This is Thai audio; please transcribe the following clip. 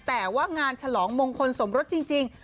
แต่ว่างานฉลองมงคลสมรสจริง